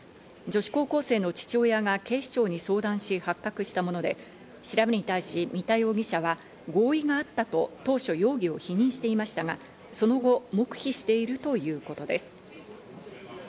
女子高校生の父親が警視庁に相談し発覚したもので、調べに対し三田容疑者は合意があったと当初、容疑を否認していましたが、その後、黙秘しているということです。